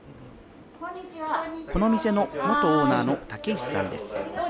この店の元オーナーの武石さんです。